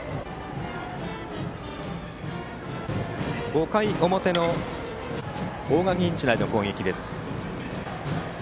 ５回表の大垣日大の攻撃です。